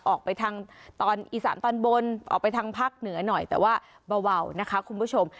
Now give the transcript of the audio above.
ออกไปทางตอนอีสานตอนบนออกไปทางภาคเหนือหน่อยแต่ว่าเบานะคะคุณผู้ชม